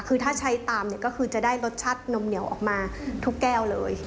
คือถ้าใช้ตามเนี่ยก็คือจะได้รสชาตินมเหนียวออกมาทุกแก้วเลย